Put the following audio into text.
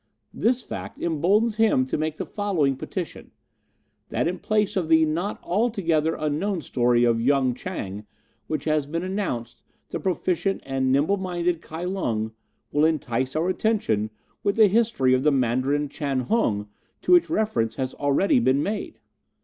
This fact emboldens him to make the following petition: that in place of the not altogether unknown story of Yung Chang which had been announced the proficient and nimble minded Kai Lung will entice our attention with the history of the Mandarin Chan Hung, to which reference has already been made."